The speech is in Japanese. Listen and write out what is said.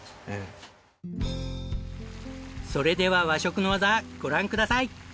それでは和食の技ご覧ください。